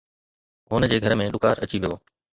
هن جي گهر ۾ ڏڪار اچي ويو